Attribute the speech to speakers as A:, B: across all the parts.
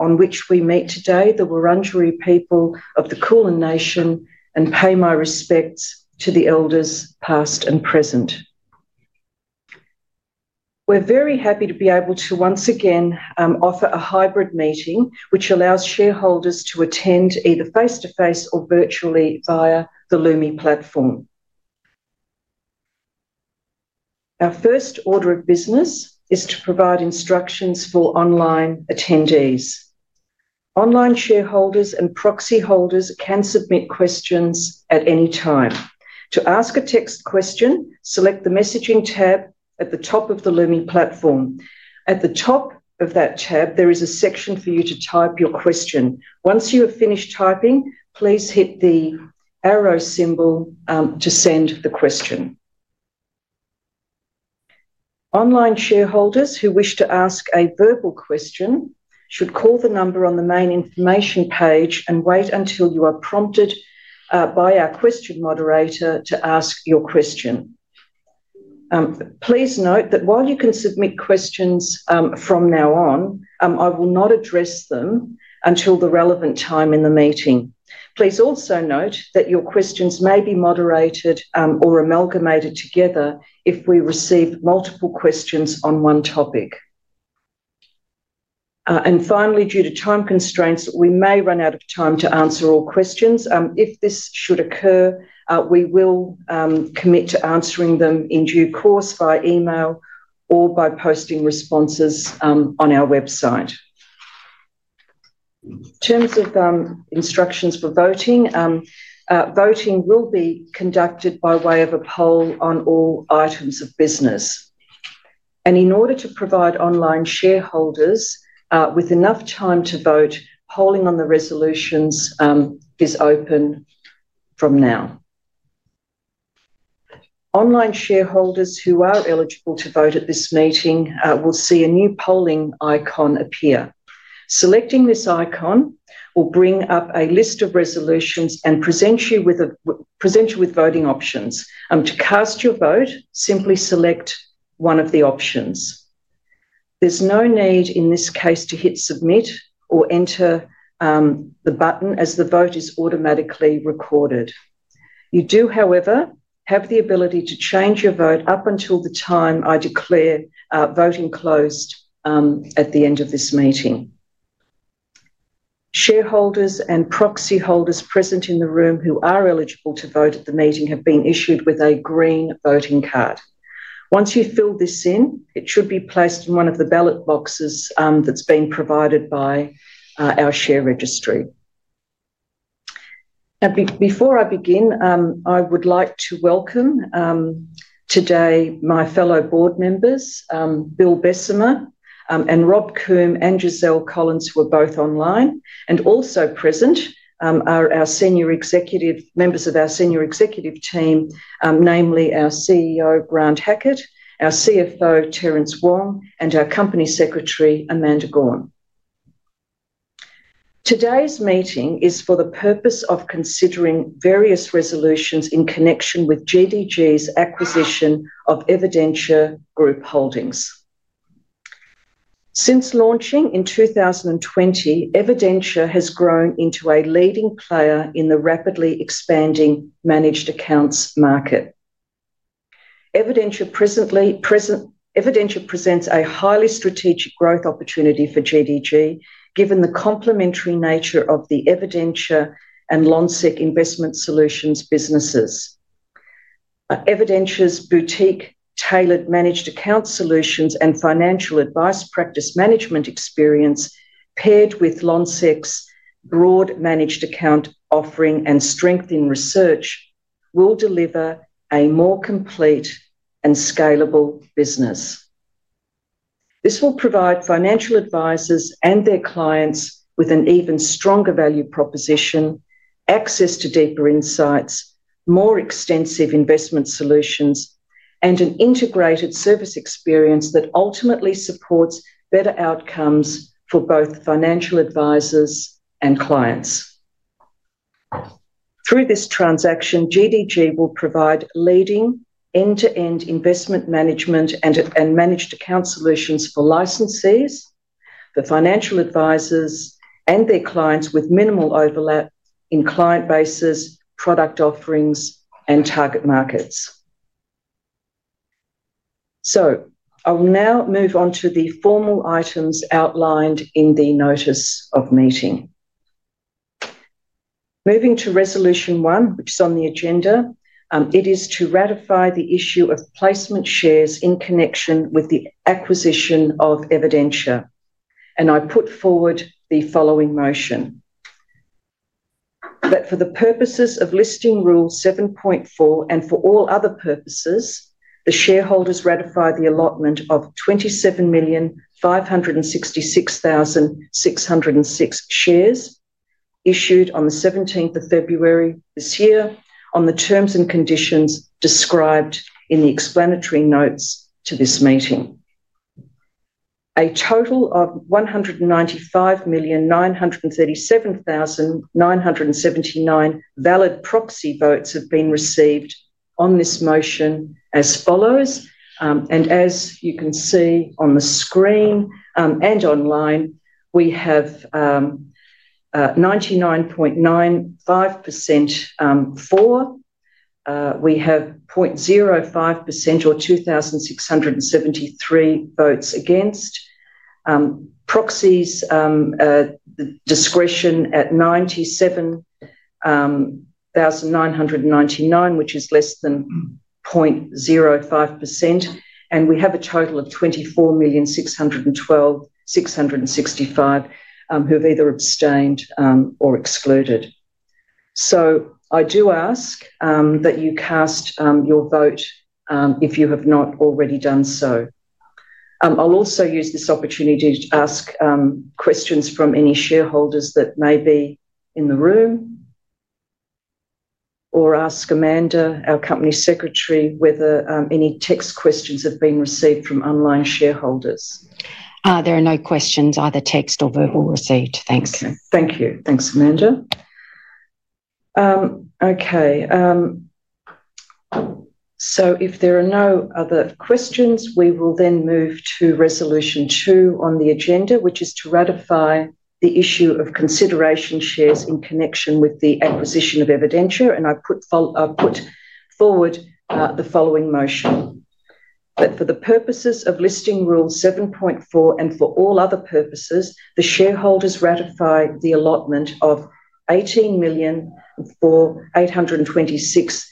A: On which we meet today, the Wurundjeri people of the Kulin Nation, and pay my respects to the elders, past and present. We're very happy to be able to, once again, offer a hybrid meeting which allows shareholders to attend either face-to-face or virtually via the Lumi platform. Our first order of business is to provide instructions for online attendees. Online shareholders and proxy holders can submit questions at any time. To ask a text question, select the messaging tab at the top of the Lumi platform. At the top of that tab, there is a section for you to type your question. Once you have finished typing, please hit the arrow symbol to send the question. Online shareholders who wish to ask a verbal question should call the number on the main information page and wait until you are prompted by our question moderator to ask your question. Please note that while you can submit questions from now on, I will not address them until the relevant time in the meeting. Please also note that your questions may be moderated or amalgamated together if we receive multiple questions on one topic. Finally, due to time constraints, we may run out of time to answer all questions. If this should occur, we will commit to answering them in due course by email or by posting responses on our website. In terms of instructions for voting, voting will be conducted by way of a poll on all items of business. In order to provide online shareholders with enough time to vote, polling on the resolutions is open from now. Online shareholders who are eligible to vote at this meeting will see a new polling icon appear. Selecting this icon will bring up a list of resolutions and present you with voting options. To cast your vote, simply select one of the options. There's no need in this case to hit submit or enter the button as the vote is automatically recorded. You do, however, have the ability to change your vote up until the time I declare voting closed at the end of this meeting. Shareholders and proxy holders present in the room who are eligible to vote at the meeting have been issued with a green voting card. Once you fill this in, it should be placed in one of the ballot boxes that's been provided by our share registry. Before I begin, I would like to welcome today my fellow board members, Bill Bessemer and Rob Coombe and Giselle Collins, who are both online. Also present are our senior executive members of our senior executive team, namely our CEO, Grant Hackett, our CFO, Terence Wong, and our Company Secretary, Amanda Gawne. Today's meeting is for the purpose of considering various resolutions in connection with GDG's acquisition of Evidentia Group Holdings. Since launching in 2020, Evidentia has grown into a leading player in the rapidly expanding managed accounts market. Evidentia presents a highly strategic growth opportunity for GDG, given the complementary nature of the Evidentia and Lonsec Investment Solutions businesses. Evidentia's boutique-tailored managed account solutions and financial advice practice management experience, paired with Lonsec's broad managed account offering and strength in research, will deliver a more complete and scalable business. This will provide financial advisors and their clients with an even stronger value proposition, access to deeper insights, more extensive investment solutions, and an integrated service experience that ultimately supports better outcomes for both financial advisors and clients. Through this transaction, GDG will provide leading end-to-end investment management and managed account solutions for licensees, the financial advisors, and their clients with minimal overlap in client bases, product offerings, and target markets. I will now move on to the formal items outlined in the notice of meeting. Moving to resolution one, which is on the agenda, it is to ratify the issue of placement shares in connection with the acquisition of Evidentia. I put forward the following motion: that for the purposes of Listing Rule 7.4 and for all other purposes, the shareholders ratify the allotment of 27,566,606 shares issued on the 17th of February this year on the terms and conditions described in the explanatory notes to this meeting. A total of 195,937,979 valid proxy votes have been received on this motion as follows. As you can see on the screen and online, we have 99.95% for, we have 0.05% or 2,673 votes against, proxies' discretion at 97,999, which is less than 0.05%, and we have a total of 24,612,665 who have either abstained or excluded. I do ask that you cast your vote if you have not already done so. I'll also use this opportunity to ask questions from any shareholders that may be in the room or ask Amanda, our Company Secretary, whether any text questions have been received from online shareholders.
B: There are no questions, either text or verbal received. Thanks. Thank you. Thanks, Amanda. Okay. If there are no other questions, we will then move to resolution two on the agenda, which is to ratify the issue of consideration shares in connection with the acquisition of Evidentia. I put forward the following motion: that for the purposes of Listing Rule 7.4 and for all other purposes, the shareholders ratify the allotment of 18,826,000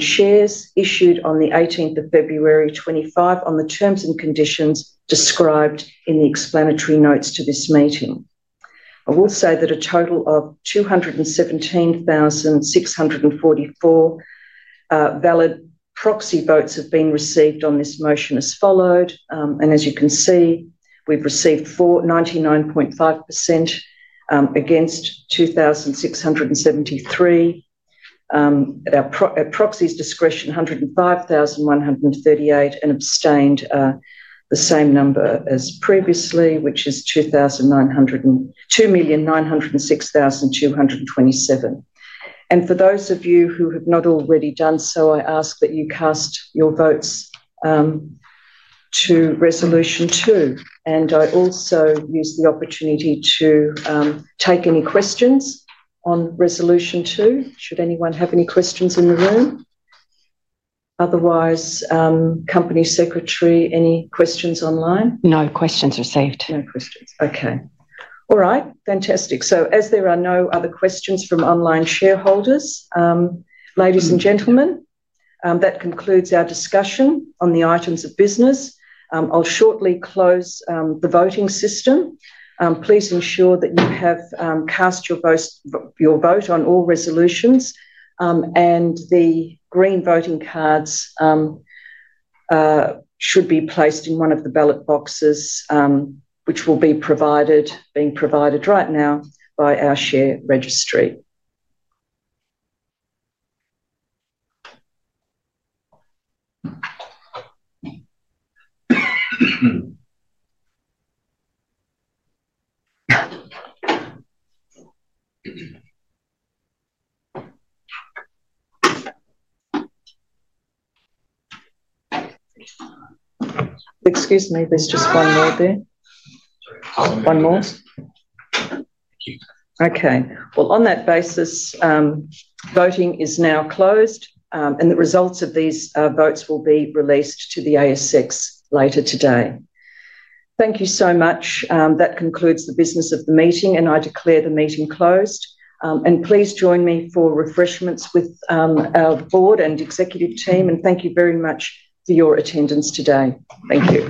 B: shares issued on the 18th of February 2025 on the terms and conditions described in the explanatory notes to this meeting. I will say that a total of 217,644 valid proxy votes have been received on this motion as follows. As you can see, we have received 99.5% against 2,673, at proxies' discretion, 105,138, and abstained the same number as previously, which is 2,906,227. For those of you who have not already done so, I ask that you cast your votes to resolution two. I also use the opportunity to take any questions on resolution two. Should anyone have any questions in the room? Otherwise, Company Secretary, any questions online? No questions received. No questions. Okay. All right. Fantastic. As there are no other questions from online shareholders, ladies and gentlemen, that concludes our discussion on the items of business. I'll shortly close the voting system. Please ensure that you have cast your vote on all resolutions. The green voting cards should be placed in one of the ballot boxes, which will be provided, being provided right now by our share registry. Excuse me, there's just one more there. One more. On that basis, voting is now closed, and the results of these votes will be released to the ASX later today. Thank you so much. That concludes the business of the meeting, and I declare the meeting closed. Please join me for refreshments with our board and executive team. Thank you very much for your attendance today. Thank you.